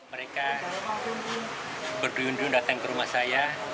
mereka berjudun datang ke rumah saya